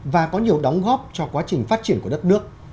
và có nhiều đóng góp cho quá trình phát triển của đất nước